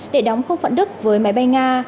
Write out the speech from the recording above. để đóng không phận đức với máy bay nga